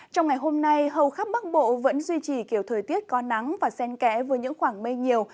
trong ngày hôm nay hầu khắp bắc bộ vẫn duy trì kiểu thời tiết có nắng và sen kẽ với những khoảng mây nhiều